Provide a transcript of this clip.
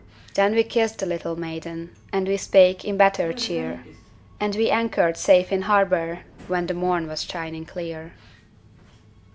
Then we kissed the little maiden, And we spake in better cheer, And we anchored safe in harbor When the morn was shining clear.